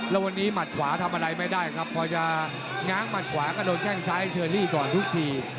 แล้ววันนี้หมัดขวาทำอะไรไม่ได้ครับพอจะง้างหัดขวาก็โดนแข้งซ้ายเชอรี่ก่อนทุกที